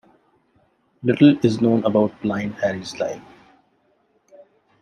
Little is known about Blind Harry's life.